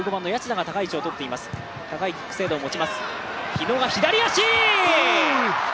日野が左足！